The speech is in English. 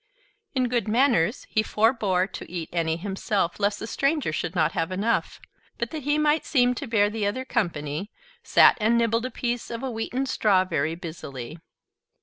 In good manners, he forbore to eat any himself, lest the stranger should not have enough; but that he might seem to bear the other company, sat and nibbled a piece of a wheaten straw very busily.